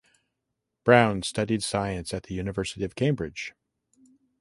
Brown studied science at the University of Cambridge.